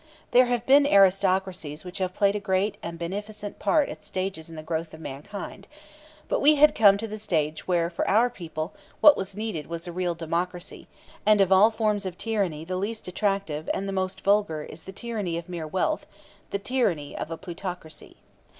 There have been aristocracies which have played a great and beneficent part at stages in the growth of mankind; but we had come to the stage where for our people what was needed was a real democracy; and of all forms of tyranny the least attractive and the most vulgar is the tyranny of mere wealth, the tyranny of a plutocracy.